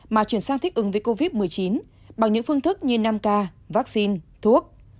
mà chuyển sang thích ứng với covid một mươi chín bằng những phương thức như năm ca vaccine thuốc